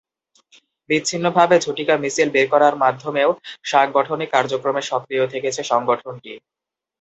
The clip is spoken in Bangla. বিচ্ছিন্নভাবে ঝটিকা মিছিল বের করার মাধ্যমেও সাংগঠনিক কার্যক্রমে সক্রিয় থেকেছে সংগঠনটি।